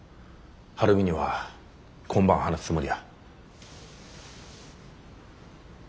晴美には今晩話すつもりや。